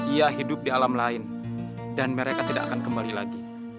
ia hidup di alam lain dan mereka tidak akan kembali lagi